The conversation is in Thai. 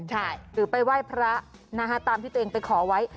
ใช่หรือไปไหว้พระตามที่ตัวเองไปขอไว้